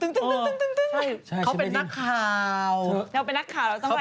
เขาเป็นนักข่าวถึงกลุ่มทุกคนอีกเขาเป็นนักข่าว